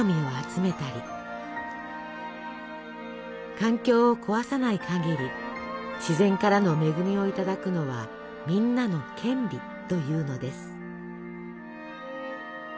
環境を壊さないかぎり自然からの恵みをいただくのはみんなの権利というのです。